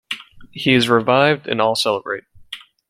He is revived, and all celebrate.